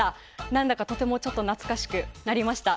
何だかとても懐かしくなりました。